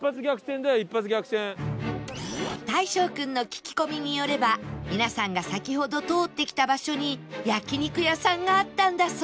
大昇君の聞き込みによれば皆さんが先ほど通ってきた場所に焼肉屋さんがあったんだそう